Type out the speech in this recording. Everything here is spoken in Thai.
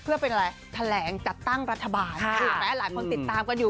เพื่อเป็นอะไรแถลงจัดตั้งรัฐบาลถูกไหมหลายคนติดตามกันอยู่